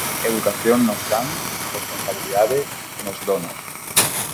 Educación nos cans, responsabilidade nos donos.